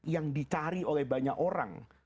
yang dicari oleh banyak orang